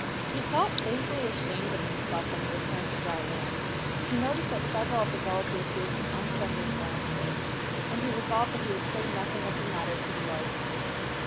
He felt vaguely ashamed of himself when he returned to dry land. He noticed that several of the villagers gave him unfriendly glances; and he resolved that he would say nothing of the matter to the Lardners.